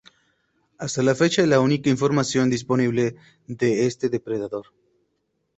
Hasta la fecha, la única información disponible de este depredador.